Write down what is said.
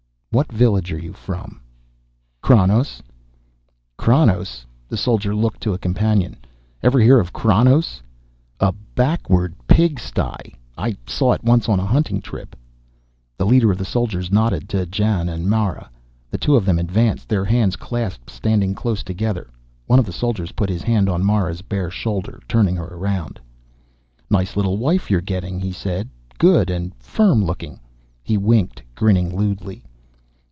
"What village are you from?" "Kranos." "Kranos?" The soldier looked to a companion. "Ever heard of Kranos?" "A backward pig sty. I saw it once on a hunting trip." The leader of the soldiers nodded to Jan and Mara. The two of them advanced, their hands clasped, standing close together. One of the soldiers put his hand on Mara's bare shoulder, turning her around. "Nice little wife you're getting," he said. "Good and firm looking." He winked, grinning lewdly.